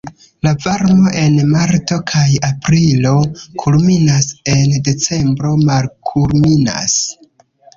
La varmo en marto kaj aprilo kulminas, en decembro malkulminas.